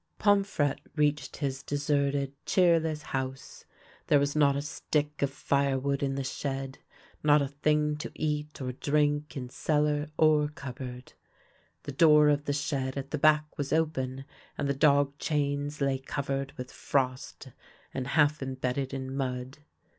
Pomfrette reached his deserted, cheerless house. There was not a stick of lire wood in the shed, not a thing to eat or drink in cellar or cupboard. The door of the shed at the back was open, and the dog chains lay covered with frost and half embedded in mud.